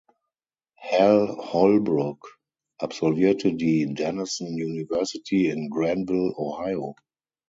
Hal Holbrook absolvierte die Denison University in Granville, Ohio.